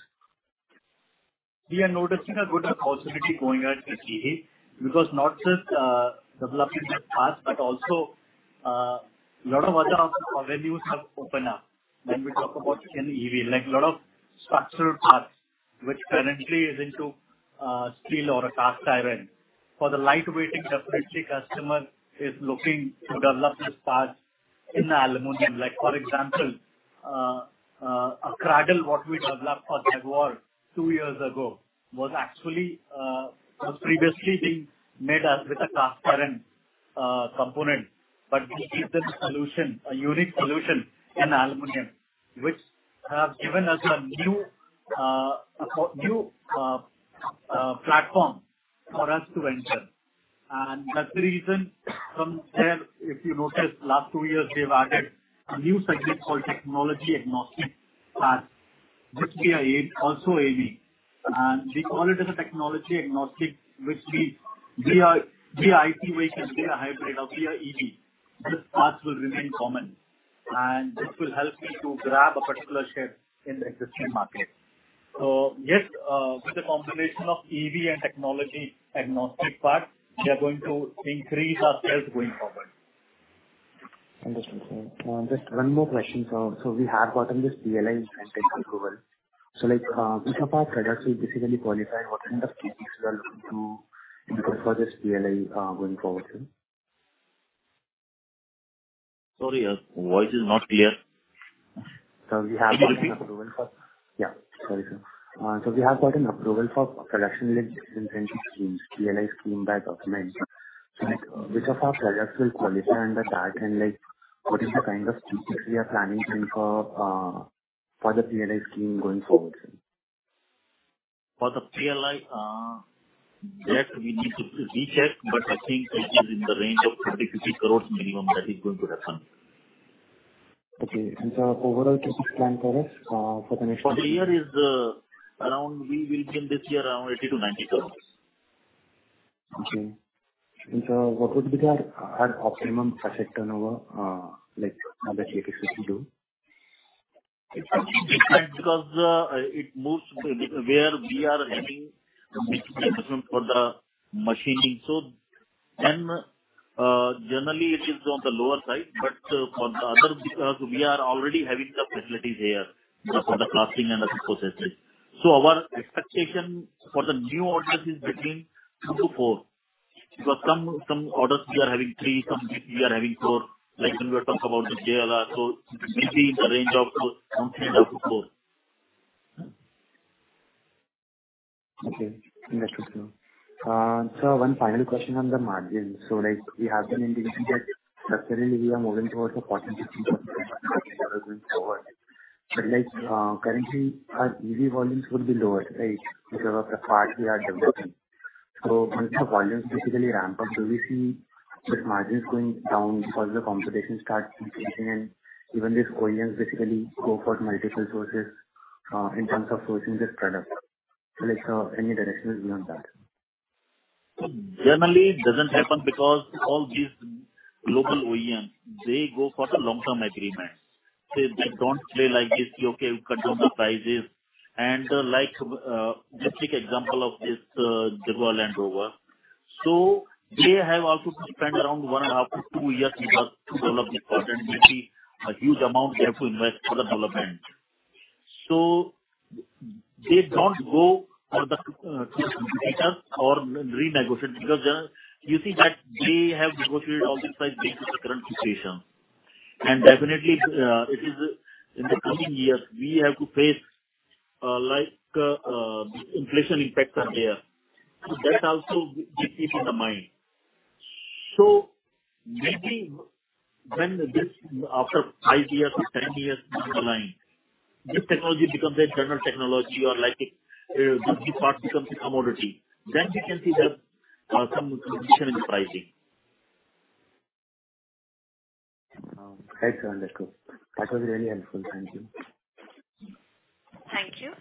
We are noticing a good opportunity going ahead with EV, because not just development of parts, but also lot of other avenues have opened up when we talk about an EV. Like lot of structural parts which currently is into steel or a cast iron. For the lightweighting, definitely customer is looking to develop this part in the aluminum. Like for example, a cradle what we developed for Jaguar two years ago was previously being made as with a cast iron component. But we gave them a solution, a unique solution in aluminum, which has given us a new platform for us to enter. That's the reason from there, if you notice last two years, we have added a new segment called technology agnostic parts, which we are also VA. We call it as a technology agnostic, which means be it EV, be it a hybrid or be it EV, this part will remain common, and this will help me to grab a particular share in the existing market. Yes, with the combination of EV and technology agnostic parts, we are going to increase our sales going forward. Understood, sir. Just one more question, sir. We have gotten this PLI incentive approval. Like, which of our products will basically qualify? What kind of CapEx we are looking to for this PLI, going forward, sir? Sorry, voice is not clear. Sir, we have. Can you repeat? Yeah, sorry, sir. We have gotten approval for production-linked incentive schemes, PLI scheme by government. Like which of our products will qualify under that, and like what is the kind of CapEx we are planning, sir, for the PLI scheme going forward, sir? For the PLI, that we need to recheck, but I think it is in the range of 30-50 crore minimum that is going to happen. Okay. Sir, overall CapEx plan for us, for the next For the year, we'll be in this year around 80-90 crores. Okay. Sir, what would be the optimum asset turnover, like under APIC to do? It's different because it moves where we are having the big investment for the machining. Generally it is on the lower side. For the other, we are already having the facilities there for the casting and other processes. Our expectation for the new orders is between 2-4. Because some orders we are having 3, some we are having 4, like when we are talking about the JLR. It will be in the range of 2-4. Okay. Understood, sir. Sir, one final question on the margin. Like, we have been indicating that necessarily we are moving towards a 40%-50% lower. Like, currently, our EV volumes would be lower, right? Because of the part we are developing. Once the volumes basically ramp up, do we see this margin is going down because the competition starts increasing and even these OEMs basically go for multiple sources, in terms of sourcing this product? Like, sir, any directions beyond that? Generally, it doesn't happen because all these local OEM, they go for the long-term agreement. They don't play like this, "Okay, we cut down the prices." Like, let's take example of this, Jaguar Land Rover. They have also spent around 1.5-2 years because to develop this product, and it will be a huge amount they have to invest for the development. They don't go for the, competitors or renegotiate because, you see that they have negotiated all this price based on the current situation. Definitely, it is in the coming years, we have to face, like, inflation impact on there. That also we keep in the mind. Maybe when this after five years or 10 years down the line, this technology becomes a general technology or like, this part becomes a commodity, then we can see the, some condition in the pricing. Right, sir. Understood. That was really helpful. Thank you. Thank you.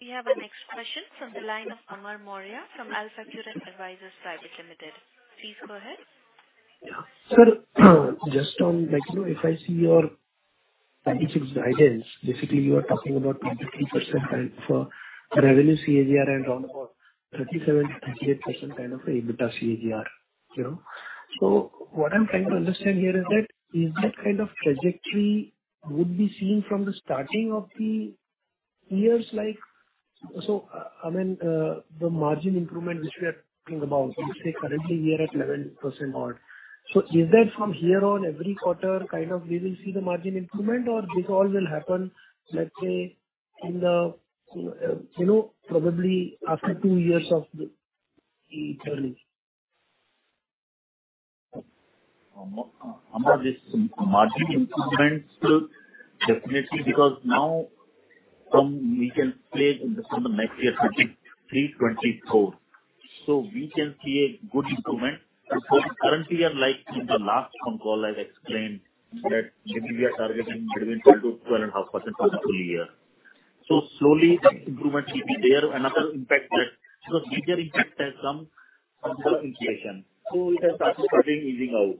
We have our next question from the line of Amar Maurya from AlphaCredit Advisors Private Limited. Please go ahead. Yeah. Sir, just on like, you know, if I see your financial guidance, basically you are talking about 23% for revenue CAGR and around about 37%-38% kind of EBITDA CAGR, you know. What I'm trying to understand here is that, is that kind of trajectory would be seen from the starting of the years. I mean, the margin improvement which we are talking about, let's say currently we are at 11% odd. Is that from here on every quarter kind of we will see the margin improvement or this all will happen, let's say in the, you know, probably after two years of the turning? Amar, this margin improvement will definitely because now we can play in the next year starting 2024. We can see a good improvement. Currently we are like in the last phone call I explained that maybe we are targeting between 10% and 12.5% for the full year. Slowly improvement will be there. Another impact that, major impact, some inflation. It has started easing out.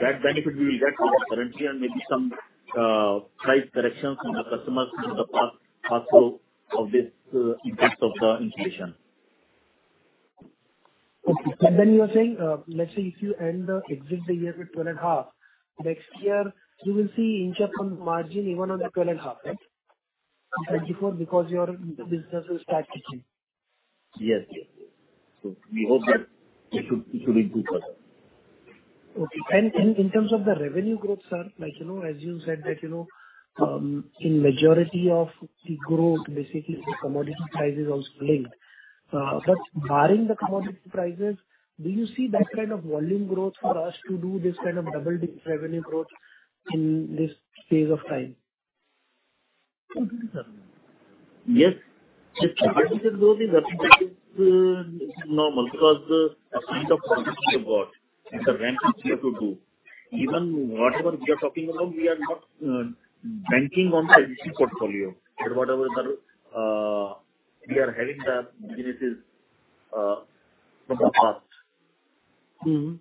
That benefit we will get currently and maybe some price corrections from the customers in the past pass-through of this impact of the inflation. You are saying, let's say if you end the year with 12.5%, next year you will see inch up on margin even on the 12.5%, right? 2024 because your business is starting to change. Yes. We hope that it will improve further. Okay. In terms of the revenue growth, sir, like, you know, as you said that, you know, in majority of the growth, basically the commodity price is also linked. But barring the commodity prices, do you see that kind of volume growth for us to do this kind of double-digit revenue growth in this phase of time? Yes. Commodity growth is up. That is normal because the kind of portfolio we have got, it's a ramp up we have to do. Even whatever we are talking about, we are not banking on the existing portfolio. Whatever the businesses we are having from the past. Mm-hmm.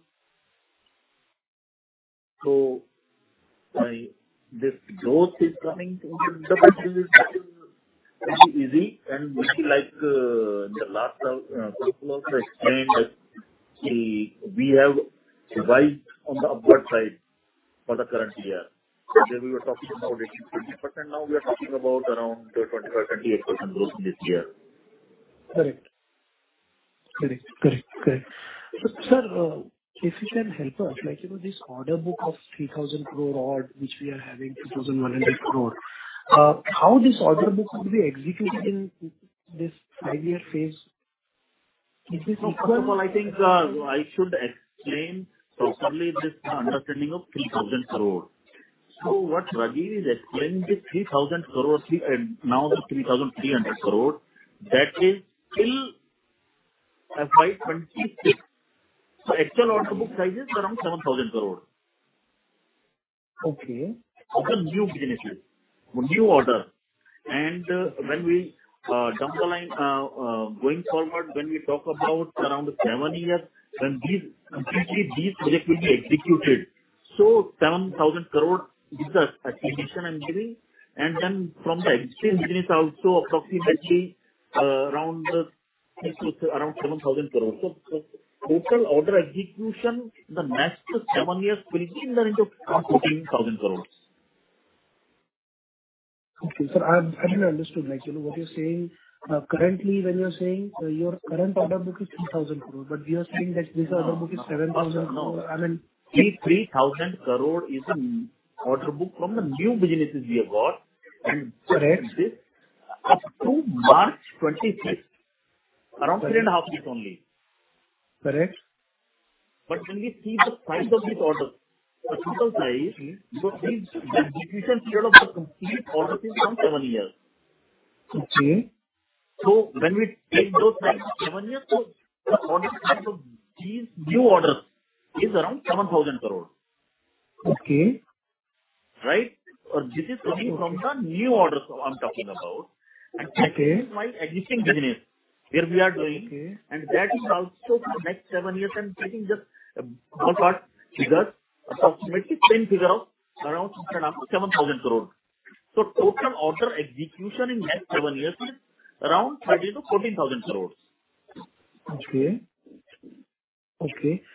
This growth is coming. The business is pretty easy. We see like in the last couple of calls, we explained that we have revised on the upward side for the current year. We were talking about 18-20%. Now we are talking about around 25-28% growth this year. Correct. Sir, if you can help us, like, you know, this order book of 3,000 crore odd, which we are having 2,100 crore, how this order book will be executed in this five-year phase? Is this equal- First of all, I think I should explain properly this understanding of 3,000 crore. What Rajeev is explaining, this 3,000 crore and now the 3,300 crore, that is till 2026. Actual order book size is around INR 7,000 crore. Okay. Of the new businesses. New order. When we down the line going forward, when we talk about around 7 years, when these projects will be executed. 7,000 crore is the estimation I'm giving. Then from the existing business also approximately around next year around 7,000 crores. Total order execution in the next 7 years will be in the range of around 14,000 crores. Okay. Sir, I didn't understand. Like, you know, what you're saying, currently when you're saying, your current order book is 3,000 crore, but you are saying that this order book is 7,000 crore. I mean 3,000 crore is an order book from the new businesses we have got. Correct. Up to March 25, around 3.5 years only. Correct. When we see the size of this order, the total size. Mm-hmm. The execution period of the complete order is around seven years. Okay. When we take those next seven years, so the order size of these new orders is around 7,000 crore. Okay. Right? This is coming from the new orders I'm talking about. Okay. This is my existing business where we are doing. Okay. That is also for next 7 years, I'm taking the ballpark figures, approximately same figure of around 3,500-7,000 crore. Total order execution in next 7 years is around 13,000-14,000 crore. Okay.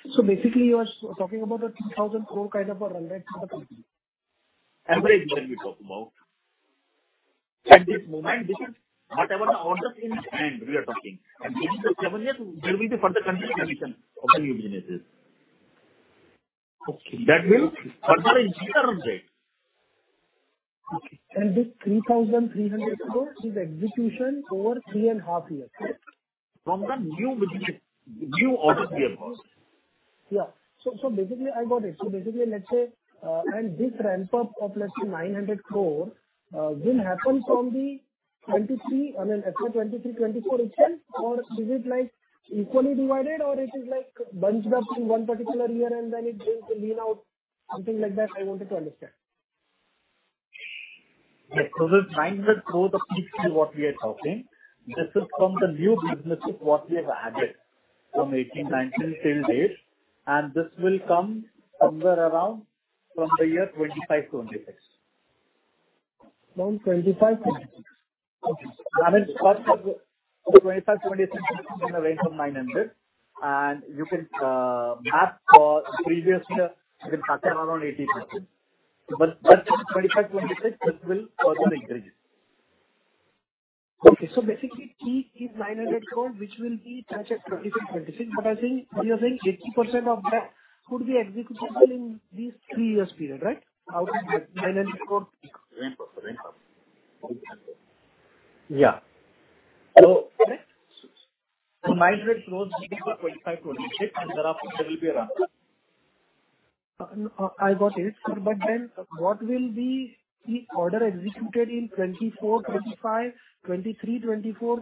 Basically you are talking about a 3,000 crore kind of a run rate for the company. Average run rate we're talking about. At this moment, this is whatever the orders in hand we are talking. Within the seven years, there will be the further continuation of the new businesses. Okay. That will further increase our run rate. Okay. This 3,300 crore is execution over three and a half years. From the new business, new orders we have got. Yeah. Basically I got it. Basically, let's say, and this ramp up of, let's say, 900 crore, will happen from FY 2023, 2024 itself, or is it like equally divided or it is like bunched up in one particular year and then it will lean out, something like that? I wanted to understand. This 900 crore basically what we are talking, this is from the new businesses what we have added from 2018-19 till date. This will come somewhere around from the year 2025-26. From 25-26. Okay. I mean, first of all, 2025, 2026 will be in the range of 900. You can map for previous year, you can factor around 80%. 2025, 2026, it will further increase. Okay. Basically key is 900 crore, which will be touched at 2025, 2026. I think what you're saying, 80% of that could be executable in these three years period, right? Out of that INR 900 crore ramp up. Yeah. Correct? 900 crore will be for 2025, 2026, and thereafter there will be a ramp up. I got it. What will be the order executed in 2023, 2024,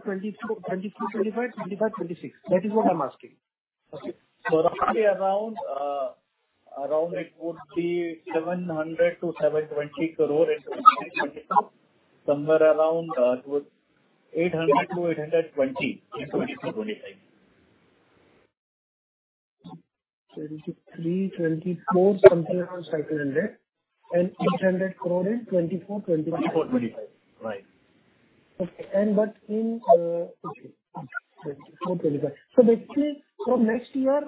2026? That is what I'm asking. Okay. Roughly around it would be 700 crore-720 crore in 2023-2024. Somewhere around it would be 800-820 crore in 2024-2025. 2023-2024, something around 500 crore. INR 800 crore in 2024-2025. 2024, 2025. Right. Okay. 2024, 2025. Basically from next year,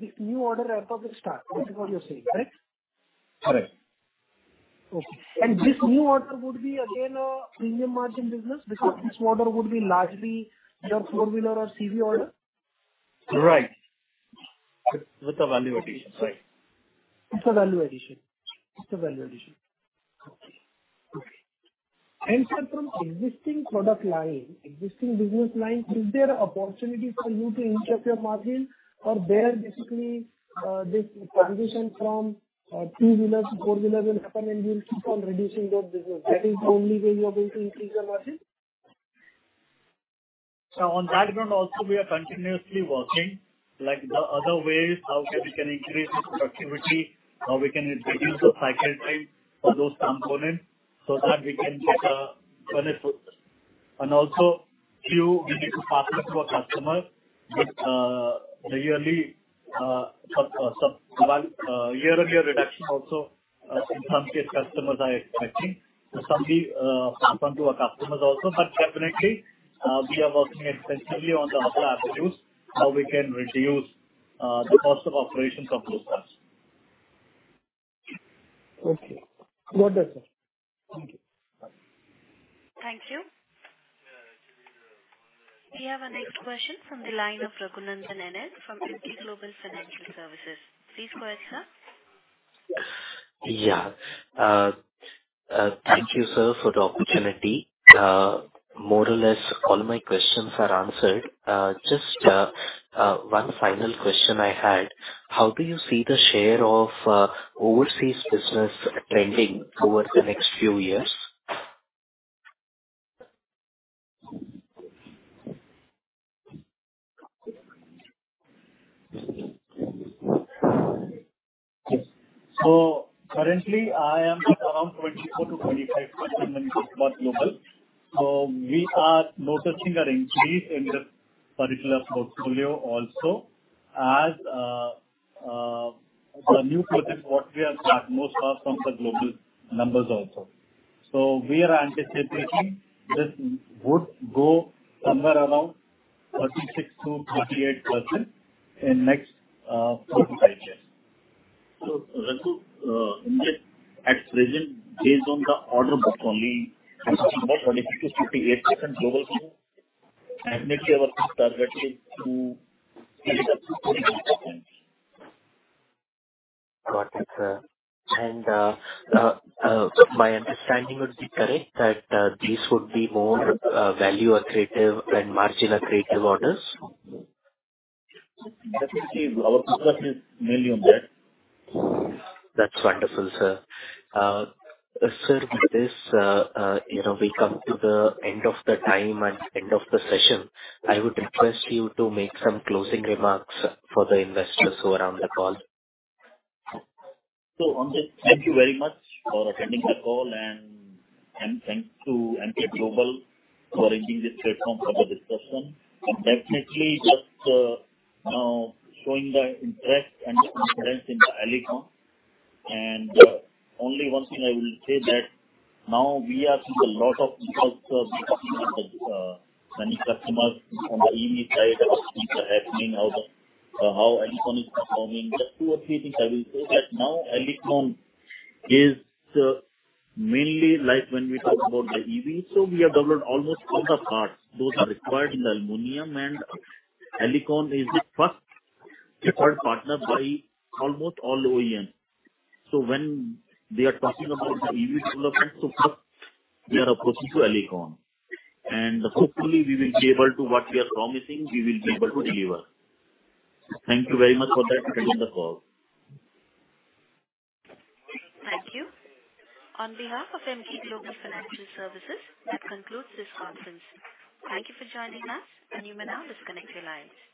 the new order ramp up will start, this is what you're saying, correct? Correct. Okay. This new order would be again a premium margin business because this order would be largely your four-wheeler or CV order? Right. With the value addition. Right. With the value addition. Okay. Sir, from existing product line, existing business line, is there an opportunity for you to increase your margin? Or where basically, this transition from three-wheelers to four-wheeler will happen and you'll keep on reducing that business. That is the only way you are going to increase your margin? On that front also we are continuously working, like the other ways, how we can increase this productivity or we can reduce the cycle time for those components so that we can get a benefit. A few we need to pass on to our customer with the yearly substantial year-on-year reduction also, in some cases customers are expecting. Some we pass on to our customers also. We are working extensively on the other avenues, how we can reduce the cost of operations of those castings. Okay. Got that, sir. Thank you. Okay. Bye. Thank you. We have our next question from the line of Raghunandhan N. L. from Emkay Global Financial Services. Please go ahead, sir. Yeah. Thank you, sir, for the opportunity. More or less all my questions are answered. Just one final question I had. How do you see the share of overseas business trending over the next few years? Currently I am at around 24%-25% when we talk about global. We are noticing an increase in this particular portfolio also. Our new project, what we have got most are from the global numbers also. We are anticipating this would go somewhere around 36%-38% in next 4-5 years. Rajat, at present, based on the order book only, 36%-38% global and make our target is to Got it, sir. My understanding would be correct that this would be more value accretive and margin accretive orders? Definitely our focus is mainly on that. That's wonderful, sir. Sir, with this, you know, we come to the end of the time and end of the session. I would request you to make some closing remarks for the investors who are on the call. Ankith, thank you very much for attending the call and thanks to Emkay Global for arranging this platform for the discussion. Definitely just, you know, showing the interest and the confidence in the Alicon. Only one thing I will say that now we are seeing a lot of because we are talking with the many customers on the EV side about things are happening, how Alicon is performing. Just two or three things I will say that now Alicon is mainly like when we talk about the EV, so we have developed almost all the parts those are required in the aluminum and Alicon is the first preferred partner by almost all OEMs. When they are talking about the EV development, first they are approaching to Alicon. Hopefully we will be able to what we are promising, we will be able to deliver. Thank you very much for that. Attending the call. Thank you. On behalf of Emkay Global Financial Services, that concludes this conference. Thank you for joining us. You may now disconnect your lines.